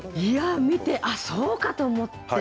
見て、そうかと思って。